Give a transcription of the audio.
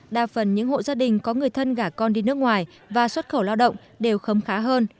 đa phần những hộ gia đình có người thân gả con đi nước ngoài và xuất khẩu lao động đều khấm khá hơn